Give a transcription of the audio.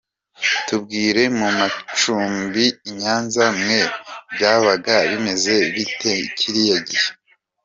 Tubwire mu macumbi i Nyanza mwe byabaga bimeze bite kiriya gihe?.